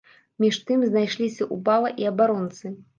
Між тым, знайшліся ў бала і абаронцы.